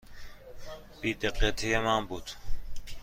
بی دقتی من بود.